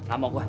nggak mau gue